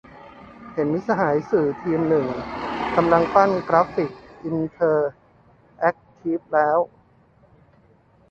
เห็นมิตรสหายสื่อทีมหนึ่งกำลังปั้นกราฟิกอินเทอร์แอคทีฟแล้ว